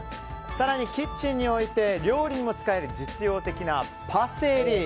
更にキッチンに置いて料理にも使える実用的なパセリ。